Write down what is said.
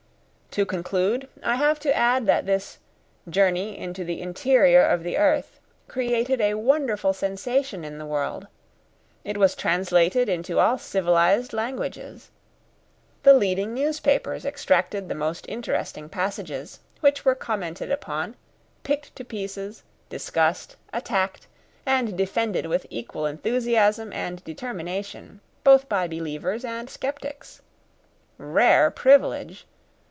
To conclude, I have to add that this 'Journey into the Interior of the Earth' created a wonderful sensation in the world. It was translated into all civilised languages. The leading newspapers extracted the most interesting passages, which were commented upon, picked to pieces, discussed, attacked, and defended with equal enthusiasm and determination, both by believers and sceptics. Rare privilege!